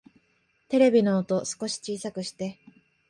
テレビの音、少し小さくして